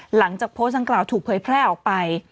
หลังจากโพสต์ดังกล่าวถูกเผยแพร่ออกไป